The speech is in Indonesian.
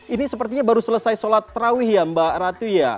ini sepertinya baru selesai sholat terawih ya mbak ratu ya